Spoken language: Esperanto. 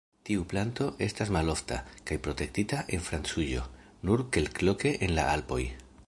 Tiu planto estas malofta kaj protektita en Francujo, nur kelkloke en la Alpoj.